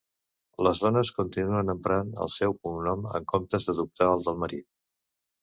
Les dones continuen emprant el seu cognom en comptes d'adoptar el del marit.